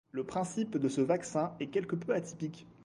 Le principe de ce vaccin est quelque peu atypique.